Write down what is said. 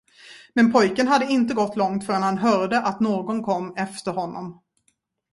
Men pojken hade inte gått långt, förrän han hörde, att någon kom efter honom.